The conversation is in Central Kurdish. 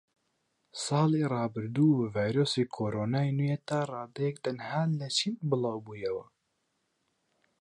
ساڵی ڕابردوو ڤایرۆسی کۆرۆنای نوێ تاڕادەیەک تەنها لە چین بڵاوبوویەوە